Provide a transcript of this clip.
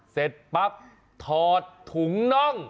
เสร็จปั๊บถอดถุงน่อง